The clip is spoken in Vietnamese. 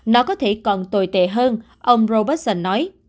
nó có thể còn tồi tệ hơn ông robertson nói